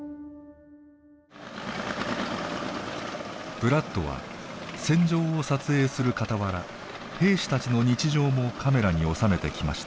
ブラッドは戦場を撮影するかたわら兵士たちの日常もカメラに収めてきました。